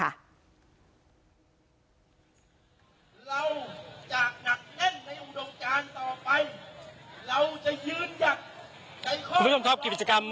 เราจะนักเน่นในอุดงจารย์ต่อไปเราจะยืนอย่าง